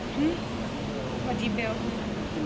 หื้อวัดดีเบลคือ